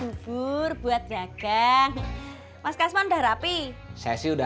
itunya jangan dibawa tuh